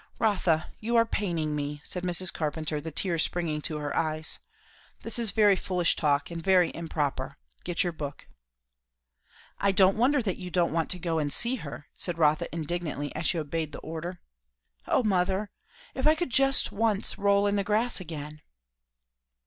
"Rotha, you are paining me," said Mrs. Carpenter, the tears springing to her eyes. "This is very foolish talk, and very improper. Get your book." "I don't wonder you don't want to go and see her!" said Rotha indignantly as she obeyed the order. "O mother! if I could just once roll in the grass again!"